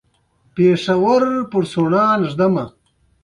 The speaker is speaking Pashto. هغه څوک چې د مکسیکو د اشغال په اړه یو اثر ولیکه.